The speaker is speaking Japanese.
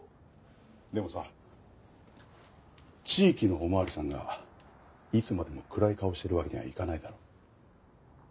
でもさ地域のお巡りさんがいつまでも暗い顔してるわけにはいかないだろ。